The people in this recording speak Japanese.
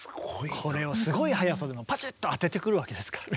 これをすごい速さでパチッと当ててくるわけですからね。